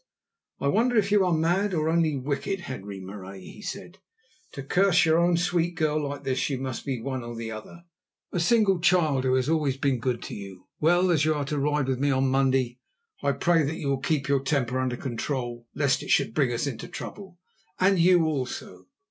"I wonder if you are mad, or only wicked, Henri Marais," he said. "To curse your own sweet girl like this you must be one or the other—a single child who has always been good to you. Well, as you are to ride with me on Monday, I pray that you will keep your temper under control, lest it should bring us into trouble, and you also.